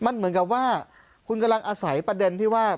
มันเหมือนกับว่าคุณกำลังอาศัยประเด็นที่ว่า